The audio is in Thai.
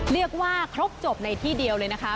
เรียกว่าครบจบในที่เดียวเลยนะคะ